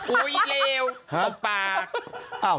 อุ๊ยเลวตบปาก